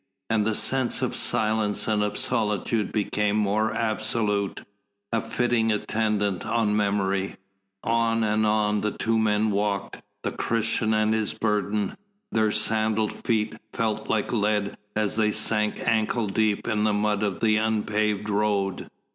And the sense of silence and of solitude became more absolute, a fitting attendant on memory. On and on the two men walked, the Christian and his burden; their sandalled feet felt like lead as they sank ankle deep in the mud of the unpaved road.